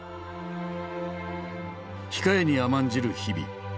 控えに甘んじる日々。